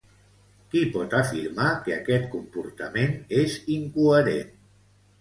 Qui pot afirmar que aquest comportament és incoherent?